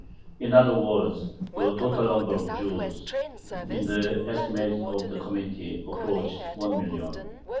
In other words, the total number of Jews, in the estimate of the Committee, approached one million.